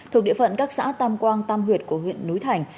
thuộc địa phận các xã tam quang tam huyệt của huyện núi thành